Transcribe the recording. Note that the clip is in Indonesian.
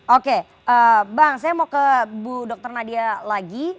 oke bang saya mau ke bu dr nadia lagi